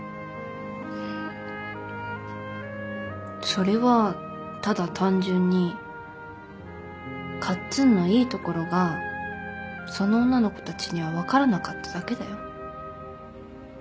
それはただ単純にカッツンのいいところがその女の子たちにはわからなかっただけだよ。